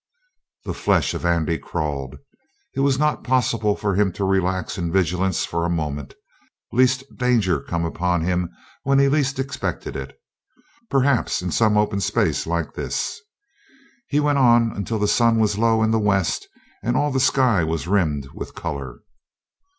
The flesh of Andy crawled. It was not possible for him to relax in vigilance for a moment, lest danger come upon him when he least expected it. Perhaps, in some open space like this. He went on until the sun was low in the west and all the sky was rimmed with color.